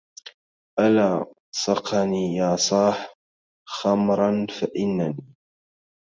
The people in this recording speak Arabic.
ألا سقني يا صاح خمرافإنني